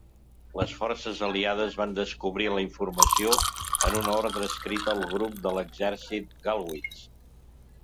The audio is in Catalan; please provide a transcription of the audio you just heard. Les forces aliades van descobrir la informació en una ordre escrita al grup de l'exèrcit Gallwitz.